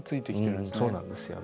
うんそうなんですよね。